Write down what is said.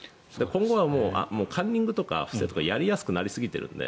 今後はカンニングとか不正とかやりやすくなりすぎているので